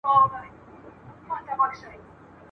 چي د بل په زور اسمان ته پورته کیږي ..